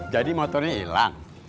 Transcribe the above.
jadi motornya hilang